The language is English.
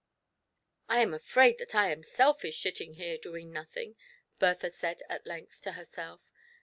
"I am afraid that I am selfish, sitting here doing nothing," Bertha said at length to herself.